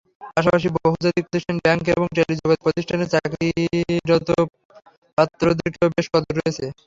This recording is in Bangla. পাশাপাশি বহুজাতিক প্রতিষ্ঠান, ব্যাংক এবং টেলিযোগাযোগ প্রতিষ্ঠানে চাকরিরত পাত্রদেরও বেশ কদর রয়েছে।